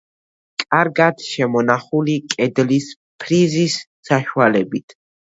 კარგად შემონახული კედლის ფრიზის საშუალებით.